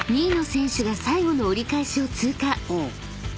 ［２位の選手が最後の折り返しを通過］